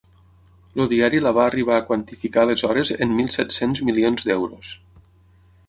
El diari la va arribar a quantificar aleshores en mil set-cents milions d’euros.